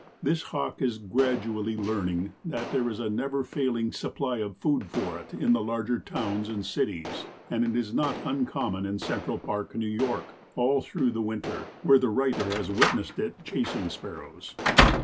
This Hawk is gradually learning that there is a never failing supply of food for it in the larger towns and cities, and it is not uncommon in Central Park, New York, all through the winter, where the writer has witnessed it chasing sparrows."